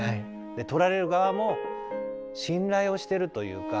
で撮られる側も信頼をしてるというか。